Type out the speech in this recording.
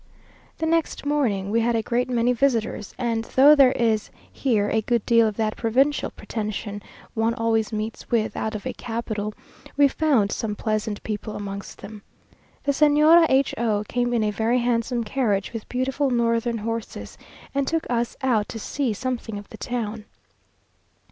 The next morning we had a great many visitors, and though there is here a good deal of that provincial pretension one always meets with out of a capital, we found some pleasant people amongst them. The Señora H o came in a very handsome carriage, with beautiful northern horses, and took us out to see something of the town.